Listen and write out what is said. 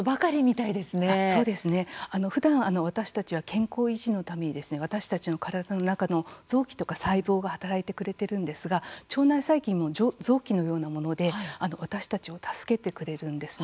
そうですね、ふだん私たちは健康維持のために私たちの体の中の臓器とか細胞が働いてくれてるんですが腸内細菌も臓器のようなもので私たちを助けてくれるんですね。